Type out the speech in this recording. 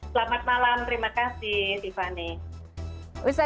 selamat malam terima kasih tiffany